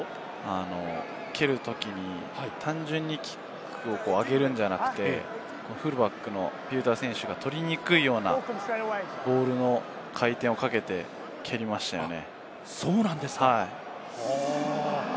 蹴るときに単純にキックを上げるんじゃなくて、フルバックのピウタウ選手が取りにくいようなボールの回転をかけて蹴りましたよね。